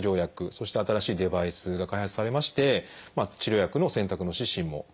そして新しいデバイスが開発されまして治療薬の選択の指針も発表されました。